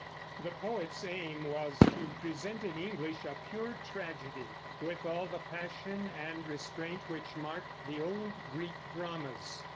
The poet's aim was to present in English a pure tragedy, with all the passion and restraint which marked the old Greek dramas.